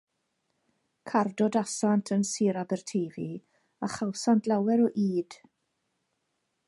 Cardodasant yn Sir Aberteifi, a chawsant lawer o ŷd.